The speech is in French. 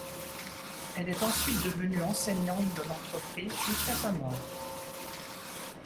Elle est ensuite devenue enseignante de l'entreprise jusqu'à sa mort.